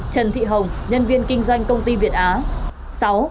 trần thị hồng nhân viên kinh doanh công ty việt á